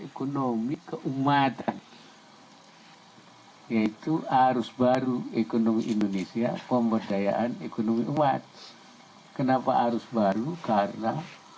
ekonomi keumatan yaitu arus baru ekonomi indonesia pemberdayaan ekonomi umat kenapa arus baru karena